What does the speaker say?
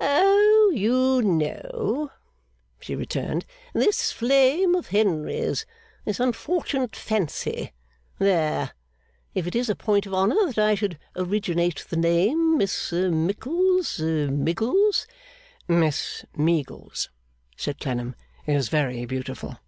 'Oh! You know!' she returned. 'This flame of Henry's. This unfortunate fancy. There! If it is a point of honour that I should originate the name Miss Mickles Miggles.' 'Miss Meagles,' said Clennam, 'is very beautiful.